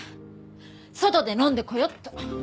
外で飲んでこようっと。